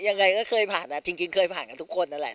ยังไงก็เคยผ่านจริงเคยผ่านกันทุกคนนั่นแหละ